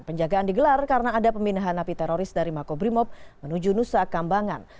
penjagaan digelar karena ada pemindahan napi teroris dari makobrimob menuju nusa kambangan